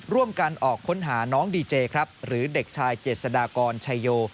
ร่วมกันออกค้นหาน้องดีเจครับหรือเด็กชายเจษฎากรชายโย